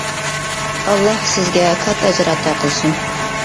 ئاللا سىزگە كاتتا ئەجىر ئاتا قىلسۇن.